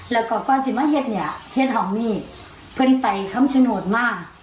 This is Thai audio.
แล้วก็กว่าสิมะเฮ็ดเนี้ยเฮ็ดหอมมี่เพื่อนไปคำชนวดมาก